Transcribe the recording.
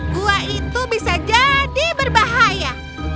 gua itu bisa jadi berbahaya